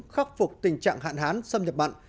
khắc phục tình trạng hạn hán xâm nhập mặn